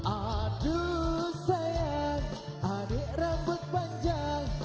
aduh sayang adik rambut panjang